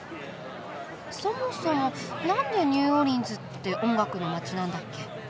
そもそも何でニューオーリンズって音楽の街なんだっけ？